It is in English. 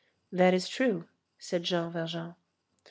"That is true," said Jean Valjean.